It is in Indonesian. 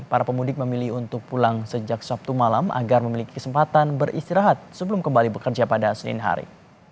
para pemudik memilih untuk pulang sejak sabtu malam agar memiliki kesempatan beristirahat sebelum kembali bekerja pada senin hari